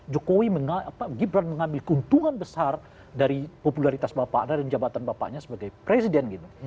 jokowi gibran mengambil keuntungan besar dari popularitas bapak dan jabatan bapaknya sebagai presiden gitu